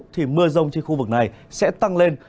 thì mưa rông trên khu vực này sẽ tăng lên